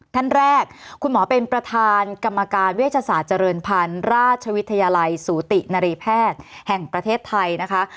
ท่านแรกคุณหมอเป็นประธานกรรมการเวชศาสตร์เจริญพันธ์ราชวิทยาลัยสูตินรีแพทย์แห่งประเทศไทยนะคะ